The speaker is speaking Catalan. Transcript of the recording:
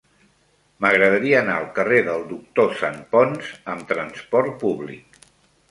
M'agradaria anar al carrer del Doctor Santponç amb trasport públic.